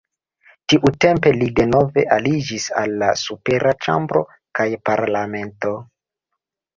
Tiutempe li denove aliĝis al la supera ĉambro kaj parlamento.